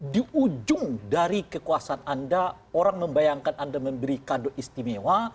di ujung dari kekuasaan anda orang membayangkan anda memberi kado istimewa